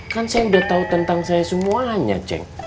kan saya udah tahu tentang saya semuanya ceng